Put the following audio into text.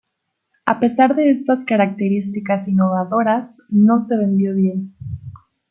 A pesar de estas características innovadoras, no se vendió bien.